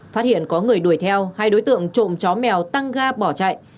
phát hiện có người đuổi theo hai đối tượng trộm chó mèo tăng ga bỏ chạy